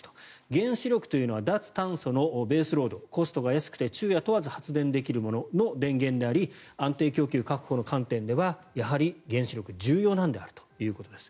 原子力というのは脱炭素のベースロードコストが安くて昼夜問わず発電できるものの電源であり安定供給確保の観点からやはり原子力は重要であるということです。